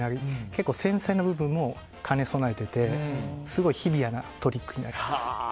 結構、繊細な部分も兼ね備えててすごいシビアなトリックになります。